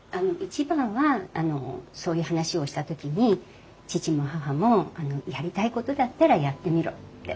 一番はそういう話をした時に義父も義母もやりたいことだったらやってみろって。